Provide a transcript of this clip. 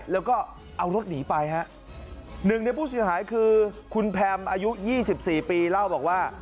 แล้วก็เอารถหนีไปฮะหนึ่งในผู้เสียหายคือคุณแพมอายุยี่สิบสี่ปีเล่าบอกว่า